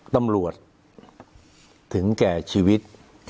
ตำรวจถึงแก่ชีวิต